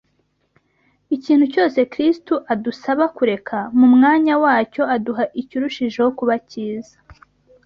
Ikintu cyose Kristo adusaba kureka, mu mwanya wacyo aduha ikirushijeho kuba cyiza